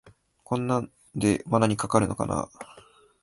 こんなんで罠にかかるのかなあ